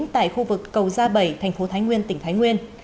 tại khu vực cầu gia bảy thành phố thái nguyên tỉnh thái nguyên